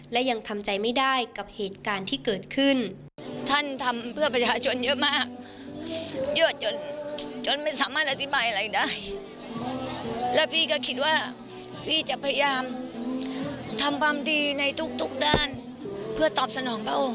และยังทำใจไม่ได้กับเหตุการณ์ที่เกิดขึ้น